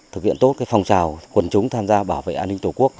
thực hiện tốt phong trào quần chúng tham gia bảo vệ an ninh tổ quốc